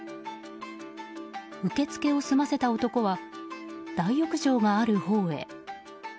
受付を済ませた男は大浴場があるほうへ。